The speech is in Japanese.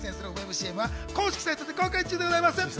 ＣＭは公式サイトで公開中です。